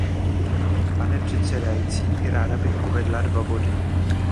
Pane předsedající, ráda bych uvedla dva body.